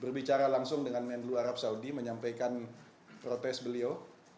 berbicara langsung dengan menlu arab saudi menyampaikan protes beliau